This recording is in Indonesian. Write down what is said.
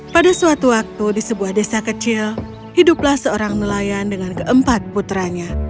pada suatu waktu di sebuah desa kecil hiduplah seorang nelayan dengan keempat putranya